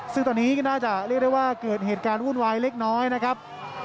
ซึ่งตอนนี้ก็น่าจะเรียกได้ว่าเกิดเหตุการณ์วุ่นวายเล็กน้อยนะครับ